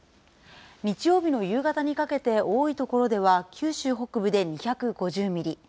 日曜日の夕方にかけて、多い所では、九州北部で２５０ミリ。